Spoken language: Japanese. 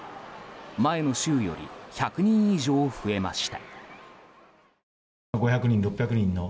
前の週より１００人以上増えました。